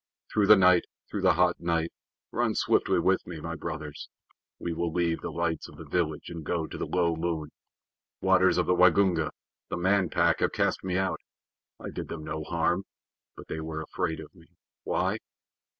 Through the night, through the hot night, run swiftly with me, my brothers. We will leave the lights of the village and go to the low moon. Waters of the Waingunga, the Man Pack have cast me out. I did them no harm, but they were afraid of me. Why?